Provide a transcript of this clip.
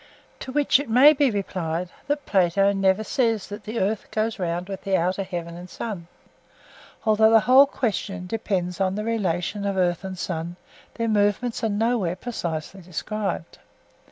To which it may be replied that Plato never says that the earth goes round with the outer heaven and sun; although the whole question depends on the relation of earth and sun, their movements are nowhere precisely described.